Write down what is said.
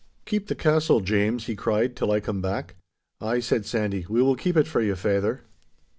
'Keep the castle, James,' he cried, 'till I come back!' 'Ay,' said Sandy, 'we will keep it for you, faither.